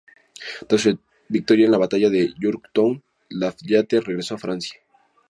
Tras su victoria en la batalla de Yorktown, Lafayette regresó a Francia.